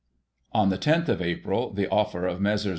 On the loth of April the offer of Messrs.